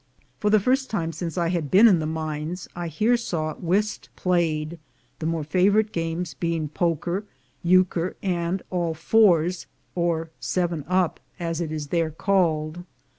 For the first time since I had been in the mines I here saw whist played, the more favorite games being poker, euchre, and all fours, or "seven up," as A MOUNTAIN OF GOLD 293 it is there called.